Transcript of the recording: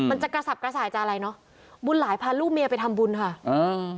มันจะกระสับกระส่ายจะอะไรเนอะบุญหลายพาลูกเมียไปทำบุญค่ะอ่า